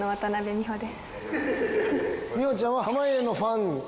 美穂ちゃんは濱家のファン？